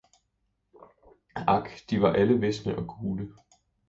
ak, de var alle visne og gule.